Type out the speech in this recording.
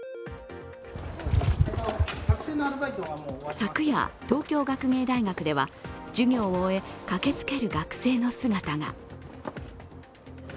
昨夜、東京学芸大学では授業を終え、駆けつける学生の姿が。